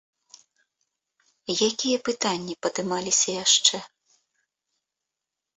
Якія пытанні падымаліся яшчэ?